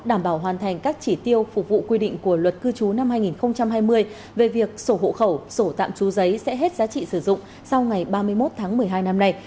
đảm bảo hoàn thành các chỉ tiêu phục vụ quy định của luật cư trú năm hai nghìn hai mươi về việc sổ hộ khẩu sổ tạm trú giấy sẽ hết giá trị sử dụng sau ngày ba mươi một tháng một mươi hai năm nay